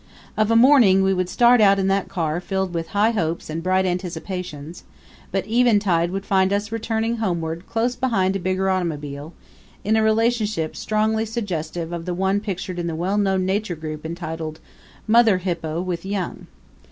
Of a morning we would start out in that car filled with high hopes and bright anticipations, but eventide would find us returning homeward close behind a bigger automobile, in a relationship strongly suggestive of the one pictured in the well known Nature Group entitled: "Mother Hippo, With Young."